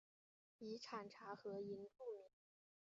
以产茶和银著名。